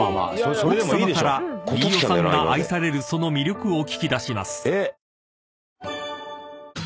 ［奥さまから飯尾さんが愛されるその魅力を聞き出します］